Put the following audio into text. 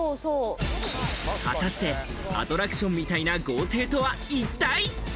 果たしてアトラクションみたいな豪邸とは一体。